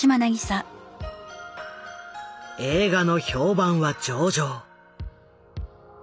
映画の評判は上々。